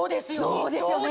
そうですよね？